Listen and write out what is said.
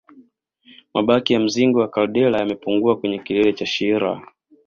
Mabaki ya mzingo wa kaldera yamepungua kwenye kilele cha shira